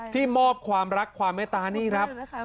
มอบความรักความเมตตานี่ครับ